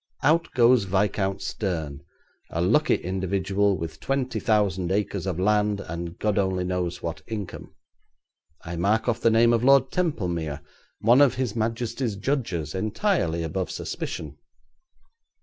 Out goes Viscount Stern, a lucky individual with twenty thousand acres of land, and God only knows what income. I mark off the name of Lord Templemere, one of His Majesty's judges, entirely above suspicion.